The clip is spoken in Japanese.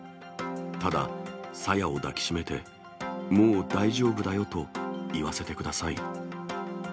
ただ、朝芽を抱き締めて、もう大丈夫だよと言わせてください。